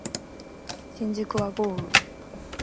新宿は豪雨